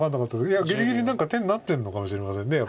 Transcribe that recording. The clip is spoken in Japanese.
いやぎりぎり何か手になってるのかもしれませんやっぱり。